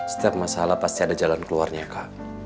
setiap masalah pasti ada jalan keluarnya kak